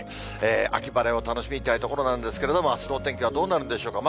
秋晴れを楽しみたいところなんですけれども、あすのお天気はどうなるんでしょうか。